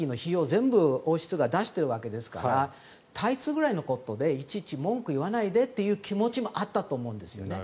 全部王室が出しているわけですからタイツぐらいのことでいちいち文句を言わないでという気持ちもあったと思うんですよね。